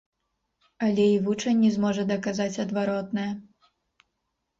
Але і вучань не зможа даказаць адваротнае.